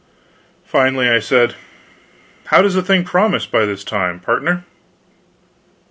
Finally I said: "How does the thing promise by this time, partner?"